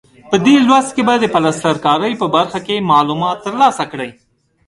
په دې لوست کې به د پلستر کارۍ په برخه کې معلومات ترلاسه کړئ.